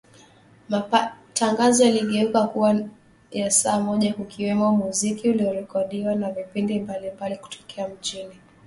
Matangazo yaligeuka kuwa ya saa moja kukiwemo muziki uliorekodiwa na vipindi mbalimbali kutokea mjini Monrovia, Liberia